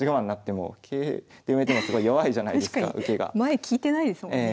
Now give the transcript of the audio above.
前利いてないですもんね。